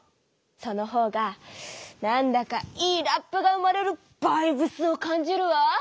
そのほうがなんだかいいラップが生まれるバイブスを感じるわ！